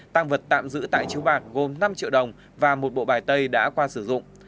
tăng vật tạm giữ tại chiếu bạc gồm năm triệu đồng và một bộ bài tay đã qua sử dụng